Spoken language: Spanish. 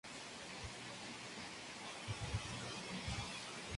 Su proceso consiste en los siguientes pasos.